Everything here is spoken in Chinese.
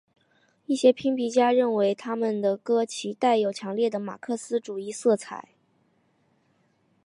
一些批评家认为他们的歌其带有强烈的马克思主义色彩。